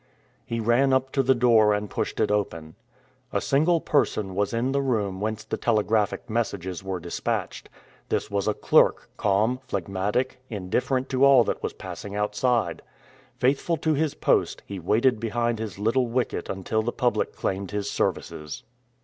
He ran up to the door and pushed it open. A single person was in the room whence the telegraphic messages were dispatched. This was a clerk, calm, phlegmatic, indifferent to all that was passing outside. Faithful to his post, he waited behind his little wicket until the public claimed his services.